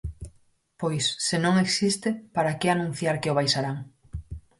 Pois, se non existe, ¿para que anunciar que o baixarán?